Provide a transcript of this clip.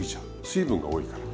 水分が多いから。